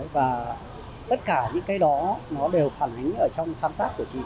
và tất cả những cái đó nó đều phản ánh ở trong sáng tác của chị